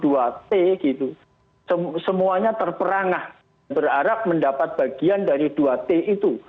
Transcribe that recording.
kemudian ketika ada janji uang dua t gitu semuanya terperangah berharap mendapat bagian dari dua t itu